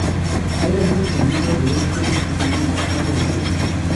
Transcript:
Era el único miembro de este con un pasado obrero.